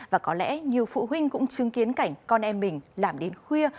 và có lẽ nhiều phụ huynh cũng chứng kiến cảnh con em mình làm đến khuya